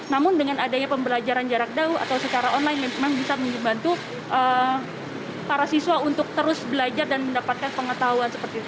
namun dengan adanya pembelajaran jarak jauh atau secara online memang bisa membantu para siswa untuk terus belajar dan mendapatkan pengetahuan seperti itu